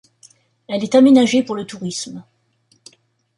Elle est aménagée pour le tourisme.